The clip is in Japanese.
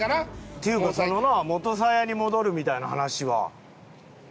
っていうかそのな「元サヤに戻る」みたいな話は。